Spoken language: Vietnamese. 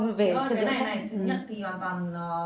chứ cái này này chứng nhận thì hoàn toàn